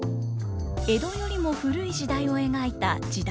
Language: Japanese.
江戸よりも古い時代を描いた「時代物」。